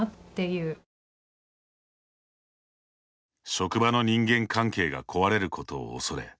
職場の人間関係が壊れることを恐れ